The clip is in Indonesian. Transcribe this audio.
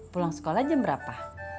pulang sekolah jam berapa